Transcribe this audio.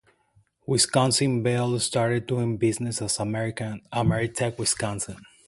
Wisconsin Bell started doing business as Ameritech Wisconsin.